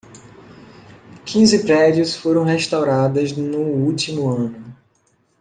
Quinze prédios foram restauradas no último ano